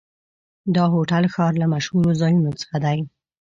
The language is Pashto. دا هوټل د ښار له مشهورو ځایونو څخه دی.